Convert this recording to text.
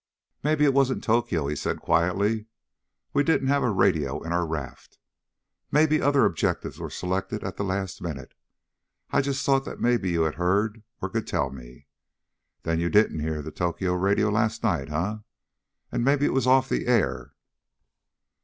"Maybe it wasn't Tokyo," he said quietly. "We didn't have a radio in our raft. Maybe other objectives were selected at the last minute. I just thought that maybe you had heard, and could tell me. Then you didn't hear the Tokyo radio last night, eh? And maybe it was off the air?"